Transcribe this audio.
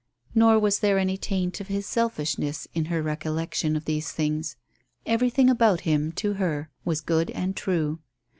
Nor was there any taint of his selfishness in her recollection of these things. Everything about him, to her, was good and true.